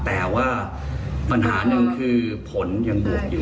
แต่ว่าปัญหาหนึ่งคือผลยังบวกอยู่